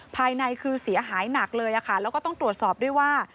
ภายในคือเสียหายหนักเลยค่ะแล้วก็ต้องตรวจสอบด้วยว่า